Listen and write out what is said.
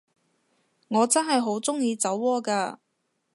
我真係好鍾意酒窩㗎